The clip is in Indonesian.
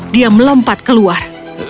dia melompat keluar